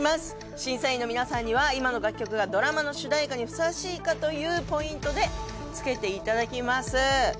審査員の皆さんには今の楽曲がドラマの主題歌にふさわしいかというポイントでつけていただきます。